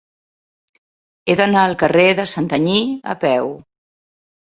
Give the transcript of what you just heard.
He d'anar al carrer de Santanyí a peu.